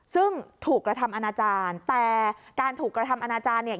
ซึ่งถูกกระทำอนาจารย์แต่การถูกกระทำอนาจารย์เนี่ย